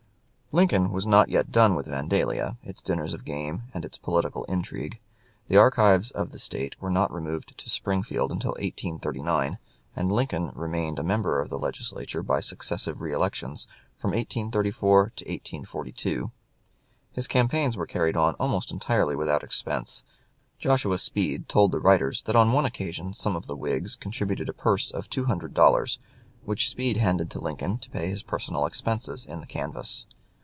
Lincoln was not yet done with Vandalia, its dinners of game, and its political intrigue. The archives of the State were not removed to Springfield until 1839, and Lincoln remained a member of the Legislature by successive reelections from 1834 to 1842. His campaigns were carried on almost entirely without expense. Joshua Speed told the writers that on one occasion some of the Whigs contributed a purse of two hundred dollars which Speed handed to Lincoln to pay his personal expenses in the canvass.